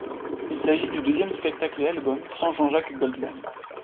Il s'agit du deuxième spectacle et album sans Jean-Jacques Goldman.